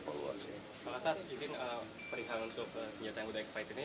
pak asad izin periksa untuk senjata yang sudah eksploit ini